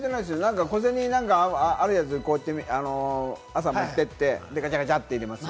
小銭あるやつ、こうやって朝持っていって、ガチャガチャって入れますよ。